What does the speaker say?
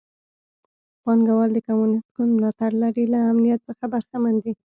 پانګوال د کمونېست ګوند ملاتړ لري له امنیت څخه برخمن دي.